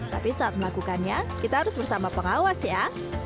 tapi saat melakukannya kita harus bersama pengawas ya